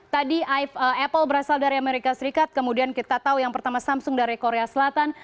tadi apple berasal dari amerika serikat kemudian kita tahu yang pertama samsung dari korea selatan